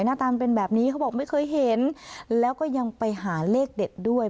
หน้าตามันเป็นแบบนี้เขาบอกไม่เคยเห็นแล้วก็ยังไปหาเลขเด็ดด้วย